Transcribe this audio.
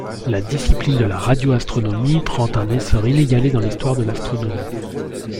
La discipline de la radioastronomie prend un essor inégalé dans l'histoire de l'astronomie.